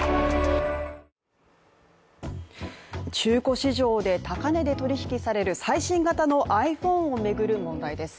中古市場で高値で取引される最新型のｉＰｈｏｎｅを巡る問題です。